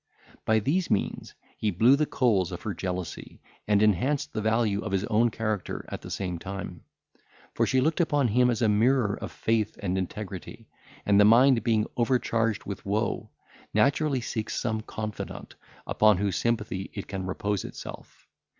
By these means he blew the coals of her jealousy, and enhanced the value of his own character at the same time; for she looked upon him as a mirror of faith and integrity, and the mind being overcharged with woe, naturally seeks some confidant, upon whose sympathy it can repose itself.